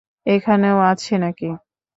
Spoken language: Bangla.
এখানেও আছে নাকি?